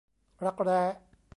รักแร้